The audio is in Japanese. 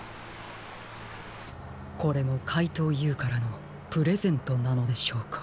これもかいとうＵからのプレゼントなのでしょうか。